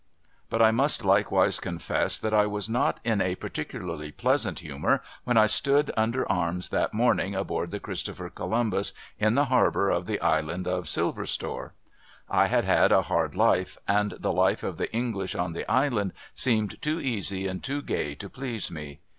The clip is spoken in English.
P>ut, I must likewise confess, that I was not in a particularly pleasant humour, when I stood under arms that morning, aboard the Christopher Columbus in the harbour of the Island of Silver Store. I had had a hard life, and the life of the English on the Island seemed too easy and too gay to please me.